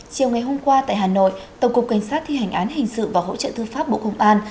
chiều ngày hôm qua tại hà nội tổng cục cảnh sát thi hành án hình sự và hỗ trợ thư pháp bộ công an